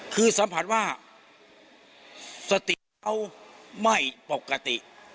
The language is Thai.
คือสัมผัสว่าสติเอาไม่ปกติ